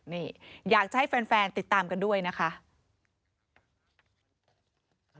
นี่อยากจะให้แฟนติดตามกันด้วยนะคะ